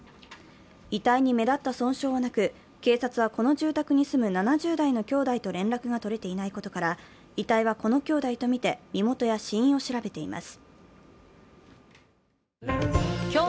遺体に目立った損傷はなく、警察はこの住宅に住む７０代の兄弟と連絡が取れていないことから遺体はこの兄弟とみて身元や死因を調べています。